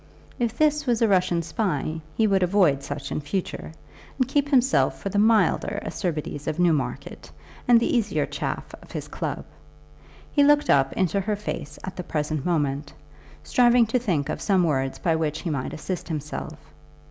If this was a Russian spy he would avoid such in future, and keep himself for the milder acerbities of Newmarket, and the easier chaff of his club. He looked up into her face at the present moment, striving to think of some words by which he might assist himself.